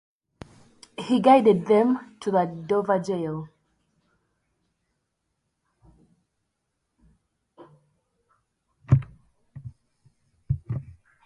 He guided them to the Dover jail.